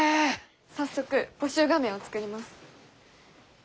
早速募集画面を作ります。